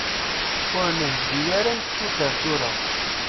Ur nheggi ara ad nessuter tura.